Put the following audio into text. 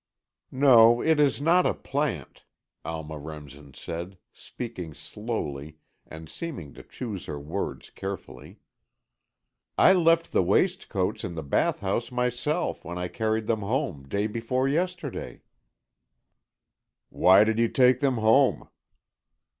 "No, it is not a plant," Alma Remsen said, speaking slowly and seeming to choose her words carefully. "I left the waistcoats in the boathouse myself, when I carried them home day before yesterday." "Why did you take them home?"